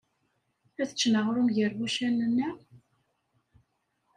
Ad ččen aɣrum ger wuccanen-a?